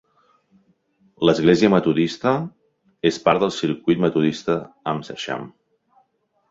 L'església metodista es part del circuit metodista Amersham.